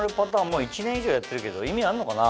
もう１年以上やってるけど意味あるのかな？